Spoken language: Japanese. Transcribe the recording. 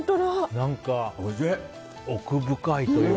何か、奥深いというか。